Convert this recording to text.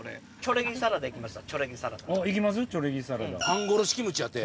半殺しキムチやて！